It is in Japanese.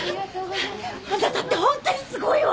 あなたってほんとにすごいわ！